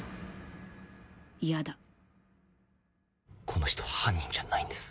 「この人は犯人じゃないんです」